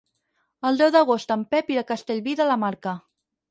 El deu d'agost en Pep irà a Castellví de la Marca.